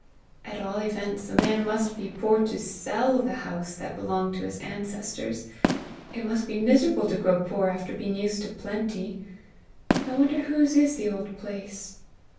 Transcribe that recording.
At all events a man must be poor to SELL the house that belonged to his ancestors! It must be miserable to grow poor after being used to plenty! I wonder whose is the old place!"